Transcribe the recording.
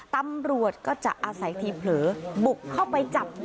ตำรวจก็จะอาศัยทีเผลอบุกเข้าไปจับ